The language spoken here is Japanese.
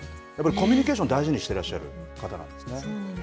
コミュニケーション大事にしていらっしゃる方なんですね。